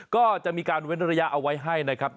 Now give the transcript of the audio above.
ก็จะมีการเว้นระยะเอาไว้ให้นะครับ